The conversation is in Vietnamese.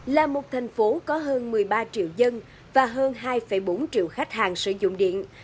là một thành phố có hơn một mươi ba triệu dân và hơn hai bốn triệu khách hàng sử dụng điện